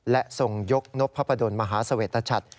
และทรงยกนพพะดนตร์มหาเสวตชัตต์